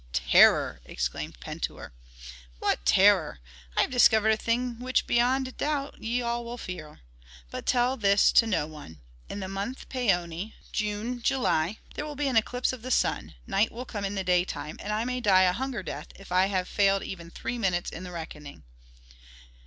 "Terror!" exclaimed Pentuer. "What terror? I have discovered a thing which beyond doubt ye will all fear. But tell this to no one: in the month Paoni (June, July) there will be an eclipse of the sun; night will come in the daytime. And may I die a hunger death, if I have failed even three minutes in the reckoning."